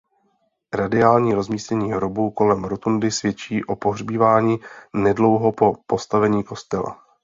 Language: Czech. Radiální rozmístění hrobů kolem rotundy svědčí o pohřbívání nedlouho po postavení kostela.